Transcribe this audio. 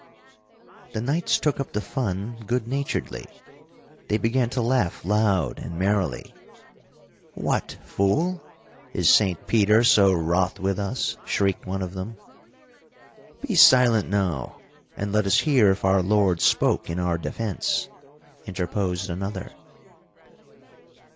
'" The knights took up the fun good naturedly. They began to laugh loud and merrily. "What, fool! Is Saint Peter so wroth with us?" shrieked one of them. "Be silent now, and let us hear if our Lord spoke in our defense!" interposed another.